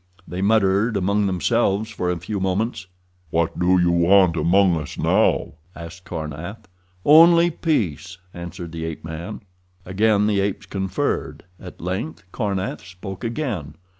They muttered among themselves for a few moments. "What do you want among us now?" asked Karnath. "Only peace," answered the ape man. Again the apes conferred. At length Karnath spoke again.